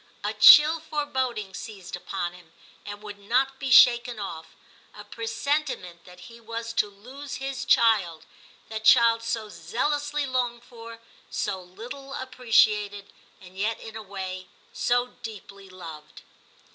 A chill foreboding seized upon him, and would not be shaken off, — a presentiment that he was to lose his child, that child so zealously longed for, so little appreciated, and yet in a way so deeply loved.